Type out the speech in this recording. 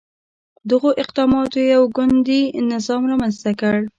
دغو اقداماتو یو ګوندي نظام رامنځته کړ.